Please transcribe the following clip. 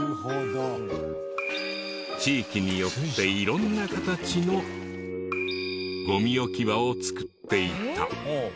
地域によって色んな形のゴミ置場を造っていた。